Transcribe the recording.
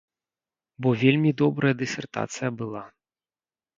Бо вельмі добрая дысертацыя была.